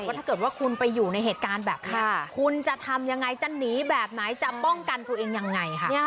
ถ้าเกิดว่าคุณไปอยู่ในเหตุการณ์แบบนี้คุณจะทำยังไงจะหนีแบบไหนจะป้องกันตัวเองยังไงค่ะ